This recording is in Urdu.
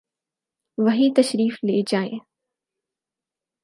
وہی تشریف لے جائیں۔